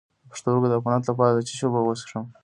د پښتورګو د عفونت لپاره د څه شي اوبه وڅښم؟